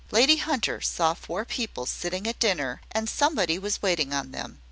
Lady Hunter saw four people sitting at dinner, and somebody was waiting on them.